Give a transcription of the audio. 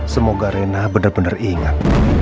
semoga rena benar benar ingat